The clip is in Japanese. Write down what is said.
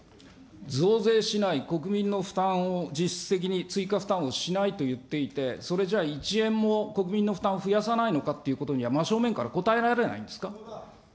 増税しない、国民の負担を実質的に追加負担をしないといっていて、それじゃあ、１円も国民の負担を増やさないのかということについては、真正面から答えられないんですか。